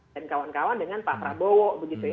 dan kawan kawan dengan pak prabowo